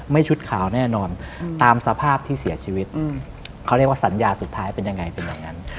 ชุดขาวแน่นอนตามสภาพที่เสียชีวิตเขาเรียกว่าสัญญาสุดท้ายเป็นยังไงเป็นแบบนั้น